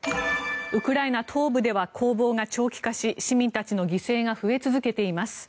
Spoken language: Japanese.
ウクライナ東部では攻防が長期化し市民たちの犠牲が増え続けています。